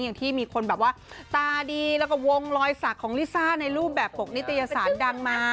อย่างที่มีคนแบบว่าตาดีแล้วก็วงรอยสักของลิซ่าในรูปแบบปกนิตยสารดังมา